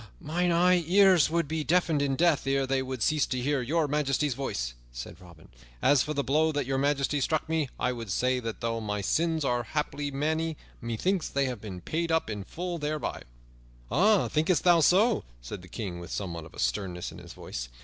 "Mine ears would be deafened in death ere they would cease to hear Your Majesty's voice," said Robin. "As for the blow that Your Majesty struck me, I would say that though my sins are haply many, methinks they have been paid up in full thereby." "Thinkest thou so?" said the King with somewhat of sternness in his voice.